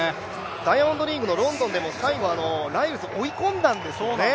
ダイヤモンドリーグのロンドンでも、最後ライルズ追い込んだんですよね。